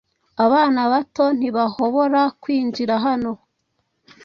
Abana bato ntibahobora kwinjira hano